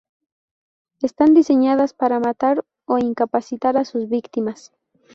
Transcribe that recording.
Están diseñadas para matar o incapacitar a sus víctimas.